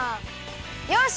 よし！